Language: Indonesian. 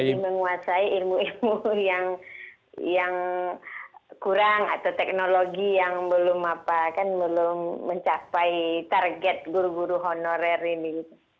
jadi menguasai ilmu ilmu yang kurang atau teknologi yang belum mencapai target guru guru honorer ini